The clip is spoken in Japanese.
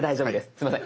すいません。